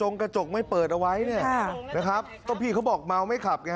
ถ้ากระโจ๊กไม่เปิดเอาไว้ครับพี่เขาบอกเมาไม่ขับนะครับ